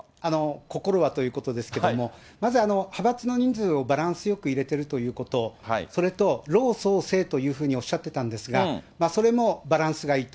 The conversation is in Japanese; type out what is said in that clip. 心はということですけれども、まず、派閥の人数をバランスよく入れているということ、それと、老壮青というふうにおっしゃってたんですが、それもバランスがいいと。